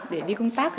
để đi công tác